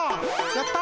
やった！